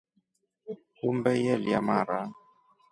Humbe yelya mara.